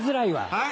はい？